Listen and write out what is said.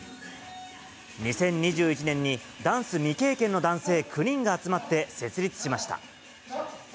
２０２１年に、ダンス未経験の男性９人が集まって設立しました。